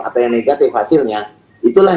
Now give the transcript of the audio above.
atau yang negatif hasilnya itulah